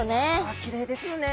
きれいですよね。